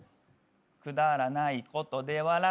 「くだらないことで笑って」